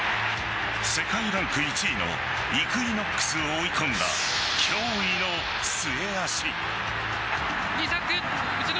世界ランク１位のイクイノックスを追い込んだ驚異の末脚。